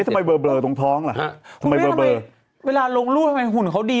ทำไมเบอร์เบลอตรงท้องล่ะฮะทำไมเบอร์เวลาลงรูปทำไมหุ่นเขาดี